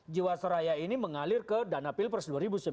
jiwaseraya ini mengalir ke dana pilpres dua ribu sembilan belas